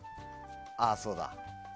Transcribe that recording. ああ、そうだ。